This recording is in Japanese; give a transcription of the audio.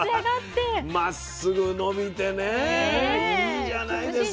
これはまっすぐ伸びてねいいじゃないですか。